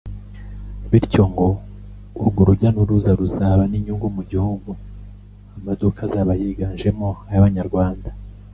bityo ngo urwo rujya n’uruza ruzaba n’inyungu mu gihugu amaduka azaba yiganjemo ay’Abanyarwanda